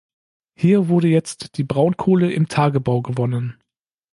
Hier wurde jetzt die Braunkohle im Tagebau gewonnen.